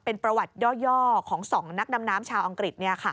เป็นประวัติย่อของ๒นักดำน้ำชาวอังกฤษ